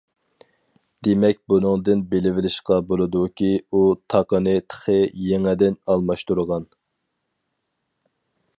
دېمەك بۇنىڭدىن بىلىۋېلىشقا بولىدۇكى ئۇ تاقىنى تېخى يېڭىدىن ئالماشتۇرغان.